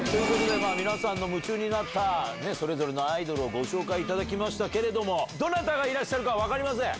皆さんの夢中になったアイドルをご紹介いただきましたけれどもどなたがいらっしゃるか分かりません。